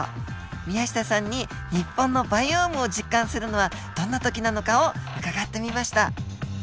宮下さんに日本のバイオームを実感するのはどんな時なのかを伺ってみました。